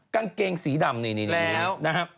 กางเกงสีดำ